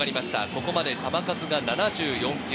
ここまで球数７４球。